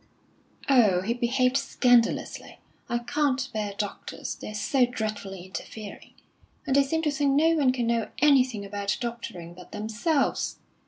"Oh, he behaved scandalously. I can't bear doctors, they're so dreadfully interfering. And they seem to think no one can know anything about doctoring but themselves!